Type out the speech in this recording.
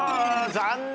残念！